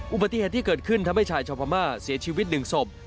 อุบัติเหตุที่เกิดขึ้นทำให้ชายชาวพม่าเสียชีวิตหนึ่งศพ